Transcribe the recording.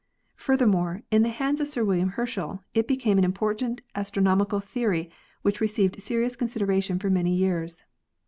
Further more, in the hands of Sir William Herschel it became an important astronomical theory which received serious con sideration for many years.